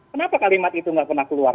kenapa kalimat itu nggak pernah keluar